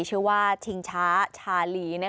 ชื่อว่าชิงช้าชาลี